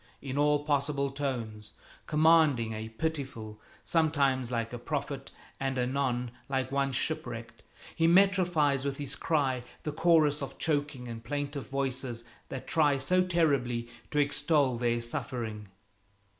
in all possible tones, commanding a pitiful, sometimes like a prophet and anon like one shipwrecked; he metrifies with his cry the chorus of choking and plaintive voices that try so terribly to extol their suffering.